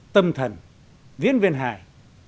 tâm thần viên viên hài